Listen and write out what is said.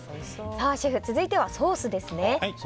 シェフ、続いてはソースですね。